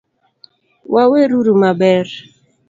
Waweruru maber